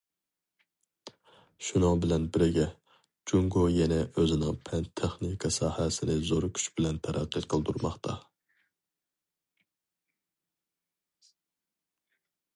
شۇنىڭ بىلەن بىرگە، جۇڭگو يەنە ئۆزىنىڭ پەن- تېخنىكا ساھەسىنى زور كۈچ بىلەن تەرەققىي قىلدۇرماقتا.